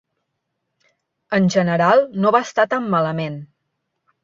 En general, no va estar tan malament.